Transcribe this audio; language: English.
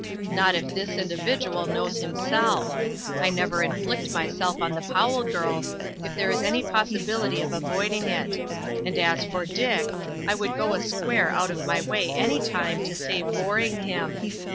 "Not if this individual knows himself ! I never inflict myself on the Powell girls, if there is any possibility of avoiding it; and as for Dick, I would go a square out of my way any time, to save boring him.